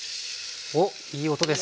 おっいい音です。